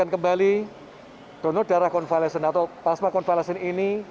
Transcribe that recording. kembali donor darah konvalesen atau plasma konvalesen ini